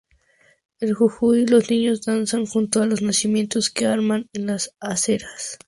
En Jujuy los niños danzan junto a los nacimientos que arman en las aceras.